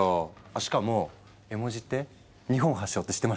しかも絵文字って日本発祥って知ってました？